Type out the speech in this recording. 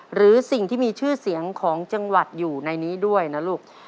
หรือสิ่งที่มีชื่อเสียงของจังหวัดอยู่ในนี้ด้วยนะลูก